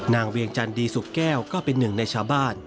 เวียงจันดีสุกแก้วก็เป็นหนึ่งในชาวบ้าน